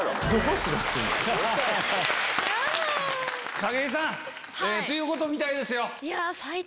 景井さんということみたいですよ。